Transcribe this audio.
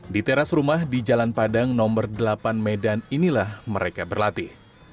di teras rumah di jalan padang no delapan medan inilah mereka berlatih